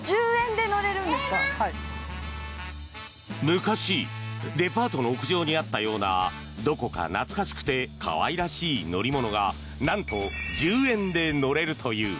昔、デパートの屋上にあったようなどこか懐かしくて可愛らしい乗り物がなんと１０円で乗れるという。